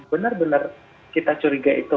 benar benar kita curiga itu